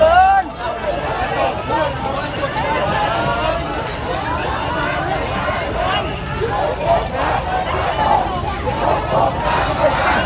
เฮียเฮียเฮีย